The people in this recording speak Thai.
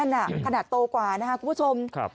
อ๋อนั่นน่ะขนาดโตกว่านะคะคุณผู้ชมครับ